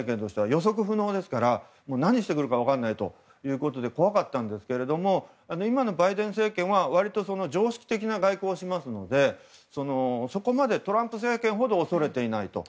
予測不能ですから。何をしてくるか分からないということで怖かったんですけど今のバイデン政権は割と常識的な外交をしますのでそこまでトランプ政権ほど恐れていないと。